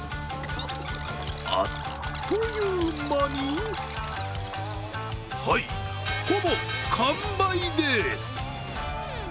あっという間にはい、ほぼ完売です！